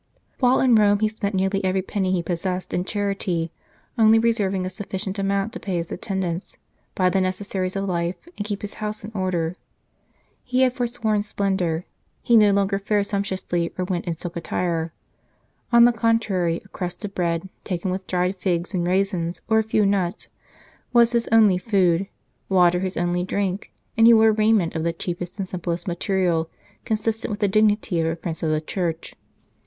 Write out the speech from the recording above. While in Rome he spent nearly every penny he possessed in charity, only reserving a sufficient 33 D St. Charles Borromeo amount to pay his attendants, buy the necessaries of life, and keep his house in order. He had for sworn splendour, he no longer fared sumptuously or went in silk attire ; on the contrary, a crust of bread, taken with dried figs and raisins or a few nuts, was his only food, water his only drink, and he wore raiment of the cheapest and simplest material consistent with the dignity of a Prince of the Church.